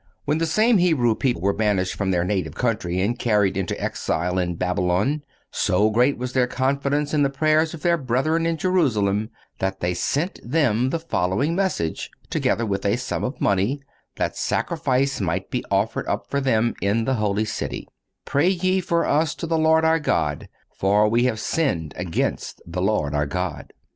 (199) When the same Hebrew people were banished from their native country and carried into exile in Babylon, so great was their confidence in the prayers of their brethren in Jerusalem that they sent them the following message, together with a sum of money, that sacrifice might be offered up for them in the holy city: "Pray ye for us to the Lord our God, for we have sinned against the Lord our God."